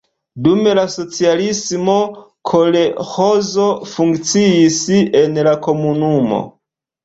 Dum la socialismo kolĥozo funkciis en la komunumo.